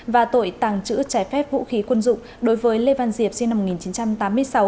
và tội tàng trữ trái phép vũ khí quân dụng đối với lê văn diệp sinh năm một nghìn chín trăm tám mươi sáu